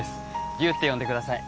龍って呼んでください